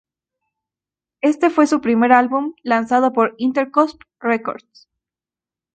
Este fue su primer álbum lanzado por Interscope Records.